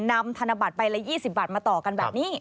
ธนบัตรใบละ๒๐บาทมาต่อกันแบบนี้